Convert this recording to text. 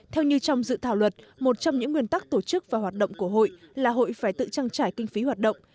theo như trong dự thảo luật một trong những nguyên tắc tổ chức và hoạt động của hội là hội phải tự trang trải kinh phí hoạt động